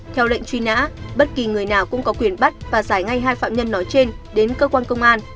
theo lệnh truy nã bất kỳ người nào cũng có quyền bắt và giải ngay hai phạm nhân nói trên đến cơ quan công an